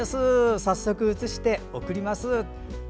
早速写して送ります。